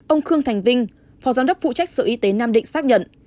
ông khương thành vinh phó giám đốc phụ trách sở y tế nam định xác nhận